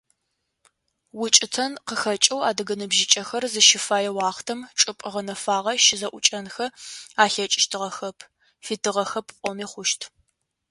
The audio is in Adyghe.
УкӀытэм къыхэкӀэу адыгэ ныбжьыкӀэхэр зыщыфэе уахътэм чӀыпӀэ гъэнэфагъэ щызэӀукӀэнхэ алъэкӀыщтыгъэхэп, фитыгъэхэп пӀоми хъущт.